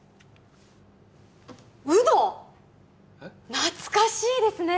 懐かしいですね